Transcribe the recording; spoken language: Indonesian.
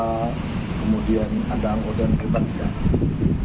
kemudian ada anggota yang berpikirkan tidak